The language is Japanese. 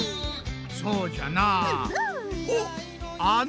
そうじゃなあ。